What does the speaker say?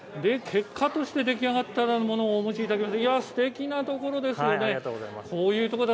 結果として出来上がったものを持ってきていただきました。